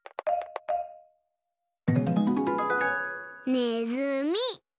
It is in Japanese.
ねずみ。